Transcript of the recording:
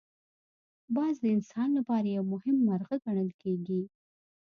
باز د انسان لپاره یو مهم مرغه ګڼل کېږي